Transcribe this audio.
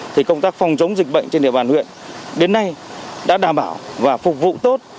thì công tác phòng chống dịch bệnh trên địa bàn huyện đến nay đã đảm bảo và phục vụ tốt